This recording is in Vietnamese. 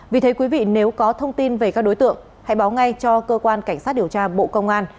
vì thế quý vị nếu có thông tin về các đối tượng hãy báo ngay cho cơ quan cảnh sát điều tra bộ công an